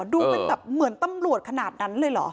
ดูเหมือนตำรวจขนาดนั้นเลยหรอ